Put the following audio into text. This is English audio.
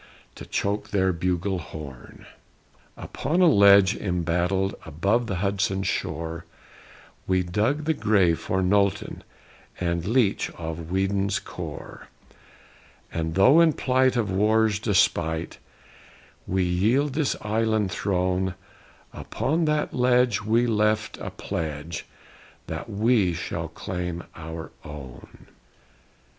To choke their bugle horn! Upon a ledge embattled Above the Hudson's shore We dug the grave for Knowlton And Leitch of Weedon's corps. And though in plight of War's despite We yield this island throne, Upon that ledge we left a pledge That we shall claim our own!